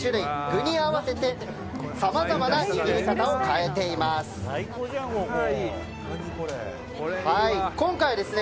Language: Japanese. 具に合わせて、さまざま握り方を変えています。